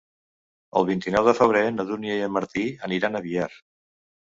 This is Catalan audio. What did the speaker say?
El vint-i-nou de febrer na Dúnia i en Martí aniran a Biar.